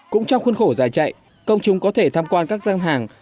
cũng trong khuôn khổ giải chạy công chúng có thể tham quan các gian hàng